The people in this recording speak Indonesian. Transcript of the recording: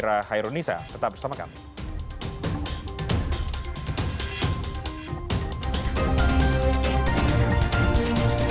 saya fira khairul nisa tetap bersama kami